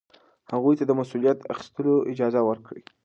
هغوی ته د مسؤلیت اخیستلو اجازه ورکړئ.